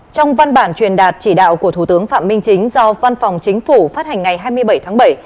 trong văn bản truyền đạt chỉ đạo của thủ tướng phạm minh chính do văn phòng chính phủ phát hành ngày hai mươi bảy tháng bảy